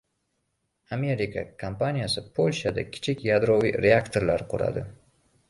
Amerika kompaniyasi Polshada kichik yadroviy reaktorlar quradi